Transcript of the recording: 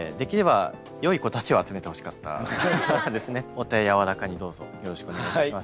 お手柔らかにどうぞよろしくお願いいたします。